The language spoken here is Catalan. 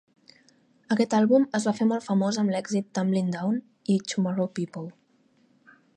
Aquest àlbum es va fer molt famós amb l'èxit "Tumblin' Down" i "Tomorrow People".